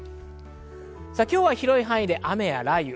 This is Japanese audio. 今日は広い範囲で雨や雷雨。